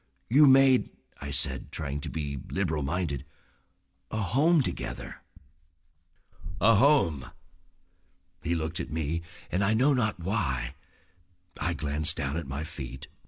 "You made," I said, trying to be liberal minded, "a home together." "A home!" He looked at me, and, I know not why, I glanced down at my feet.